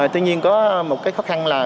tuy nhiên có một cái khó khăn là